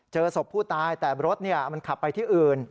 เจอศพผู้ตายแต่รถมันขับไปที่อื่น